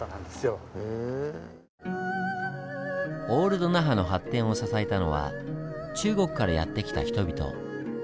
オールド那覇の発展を支えたのは中国からやって来た人々。